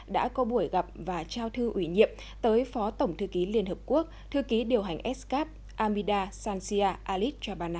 đã có buổi gặp và trao thư ủy nhiệm tới phó tổng thư ký liên hợp quốc thư ký điều hành s cap amida sanchia alitjabana